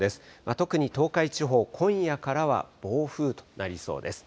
特に東海地方、今夜からは暴風となりそうです。